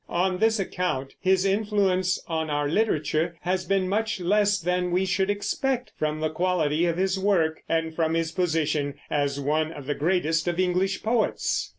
On this account his influence on our literature has been much less than we should expect from the quality of his work and from his position as one of the greatest of English poets.